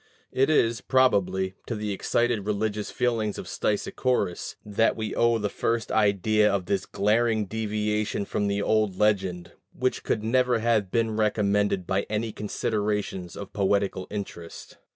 It is, probably, to the excited religious feelings of Stesichorus that we owe the first idea of this glaring deviation from the old legend, which could never have been recommended by any considerations of poetical interest.